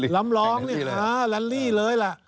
ลำร้องนี่เหรอลันลี่เลยล่ะ